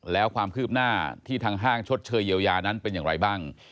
แล้วความคืบหน้าที่ทางห้างชดเชยเยียวยานั้นเป็นอย่างไรบ้าง